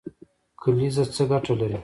کلیزه څه ګټه لري؟